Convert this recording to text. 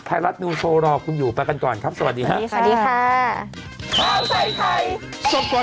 ไทยรัฐนิวโชว์รอคุณอยู่ไปกันก่อนครับสวัสดีครับสวัสดีค่ะข้าวใส่ไทยสด